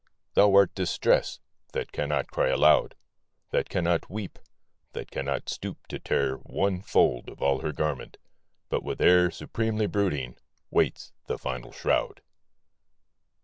Thou art Distress — ^that cannot cry alou<^ That cannot weep, that cannot stoop to tear One fold of all her garment, but with air Supremely brooding waits the final shroud